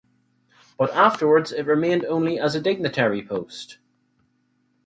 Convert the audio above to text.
But afterwards it remained only as dignitary post.